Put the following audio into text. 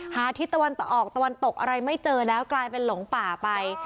ทิศตะวันออกตะวันตกอะไรไม่เจอแล้วกลายเป็นหลงป่าไป